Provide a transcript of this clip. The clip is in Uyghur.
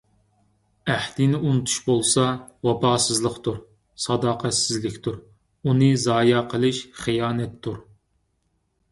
ئەھدىنى ئۇنتۇش بولسا، ۋاپاسىزلىقتۇر، ساداقەتسىزلىكتۇر. ئۇنى زايە قىلىش خىيانەتتۇر.